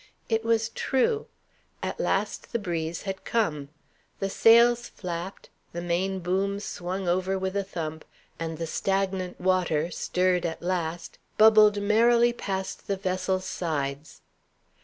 It was true. At last the breeze had come. The sails flapped, the main boom swung over with a thump, and the stagnant water, stirred at last, bubbled merrily past the vessel's sides.